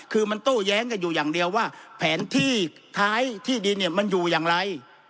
คือมันโต้แย้งกันอยู่อย่างเดียวว่าแผนที่ท้ายที่ดินเนี่ยมันอยู่อย่างไร